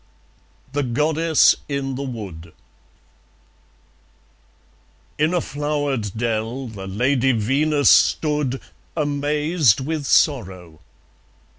The Goddess in the Wood In a flowered dell the Lady Venus stood, Amazed with sorrow.